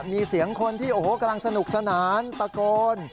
มีเสียงคนที่โอ้โหกำลังสนุกสนานตะโกน